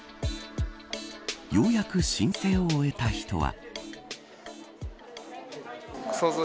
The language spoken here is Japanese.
ようやく申請を終えた人は。